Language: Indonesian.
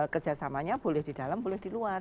kerjasamanya boleh di dalam boleh di luar